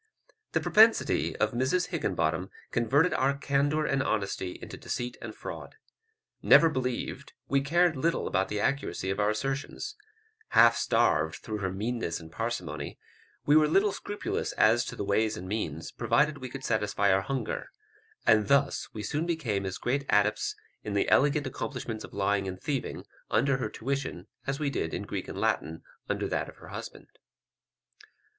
This propensity of Mrs Higginbottom converted our candour and honesty into deceit and fraud. Never believed, we cared little about the accuracy of our assertions; half starved, through her meanness and parsimony, we were little scrupulous as to the ways and means, provided we could satisfy our hunger; and thus we soon became as great adepts in the elegant accomplishments of lying and thieving, under her tuition, as we did in Greek and Latin under that of her husband.